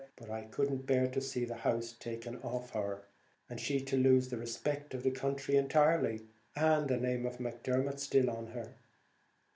But I couldn't bear to see the house taken off her, and she to lose the rispect of the counthry entirely, and the name of Macdermot still on her!"